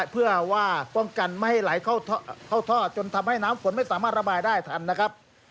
เพื่อว่าป้องกันไม่ให้ไหลเข้าท่อจนทำให้น้ำฝนไม่สามารถระบายได้ทันนะครับ